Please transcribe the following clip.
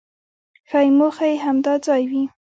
ښایي موخه یې همدا ځای وي.